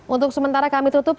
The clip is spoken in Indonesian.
untuk sementara kami tutup